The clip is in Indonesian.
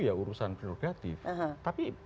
ya urusan prerogatif tapi